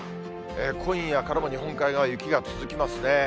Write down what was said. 今夜からは日本海側、雪が続きますね。